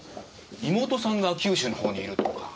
妹さんが九州のほうにいるとか。